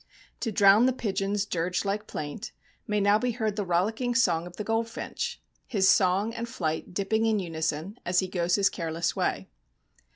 To drown the pigeon's dirge like plaint may now be heard the rollicking song of the goldfinch, his song and flight dipping in unison as he goes his careless way.